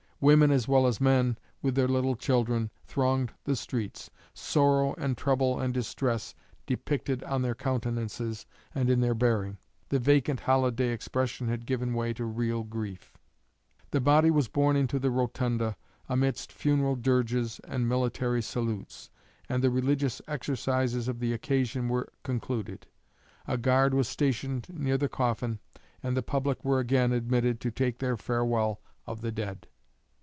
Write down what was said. Women as well as men, with their little children, thronged the streets, sorrow and trouble and distress depicted on their countenances and in their bearing. The vacant holiday expression had given way to real grief." The body was borne into the rotunda, amidst funeral dirges and military salutes; and the religious exercises of the occasion were concluded. A guard was stationed near the coffin, and the public were again admitted to take their farewell of the dead.